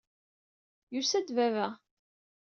Yusa-d baba.